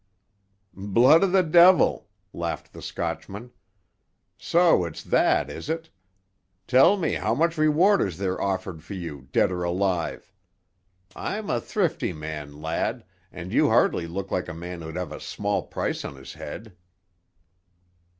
"Blood o' the de'il!" laughed the Scotchman. "So it's that, is it? Tell me, how much reward is there offered for you, dead or alive? I'm a thrifty man, lad, and you hardly look like a man who'd have a small price on his head."